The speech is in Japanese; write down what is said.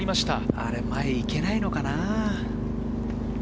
あれ、前、行けないのかな。